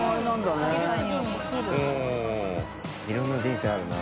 いろんな人生あるな。